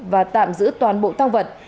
và tạm giữ toàn bộ thang vật